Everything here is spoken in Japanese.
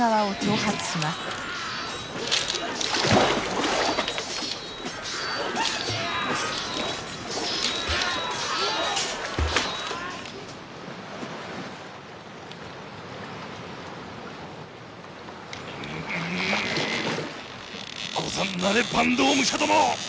うんござんなれ坂東武者ども！